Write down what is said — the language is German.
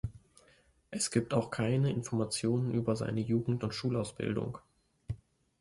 Es gibt auch keine Informationen über seine Jugend und Schulausbildung.